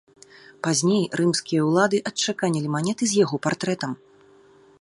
Пазней рымскія ўлады адчаканілі манеты з яго партрэтам.